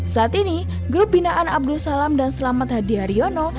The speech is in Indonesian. saat ini grup binaan abdul salam dan selamat hadi haryono